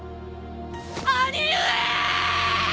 兄上！！